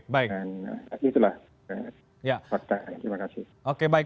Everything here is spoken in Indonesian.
dan itulah fakta terima kasih